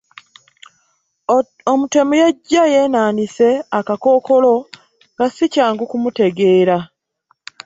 Omutemu yajja yeenaanise akakookolo nga si kyangu kumutegeera.